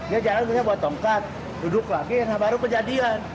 ya jalan misalnya buat tongkat duduk lagi nah baru kejadian